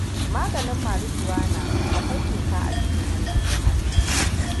Maganin marijuana akoi doka a cikin wannan jihar.